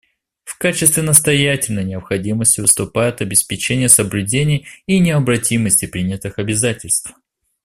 В качестве настоятельной необходимости выступает обеспечение соблюдения и необратимости принятых обязательств.